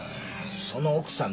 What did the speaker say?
その奥さん